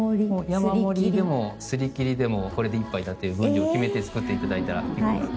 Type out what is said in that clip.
山盛りでもすり切りでもこれで１杯だという分量を決めて作っていただいたら結構です。